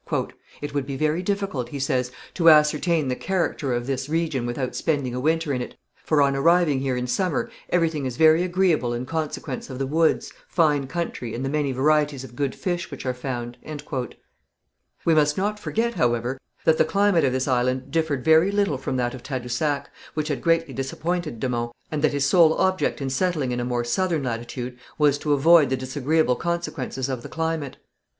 "It would be very difficult," he says, "to ascertain the character of this region without spending a winter in it, for, on arriving here in summer, everything is very agreeable in consequence of the woods, fine country, and the many varieties of good fish which are found." We must not forget, however, that the climate of this island differed very little from that of Tadousac, which had greatly disappointed de Monts, and that his sole object in settling in a more southern latitude was to avoid the disagreeable consequences of the climate.